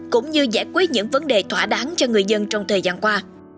cũng như giải quyết những vấn đề thỏa đáng cho người dân trong thời gian qua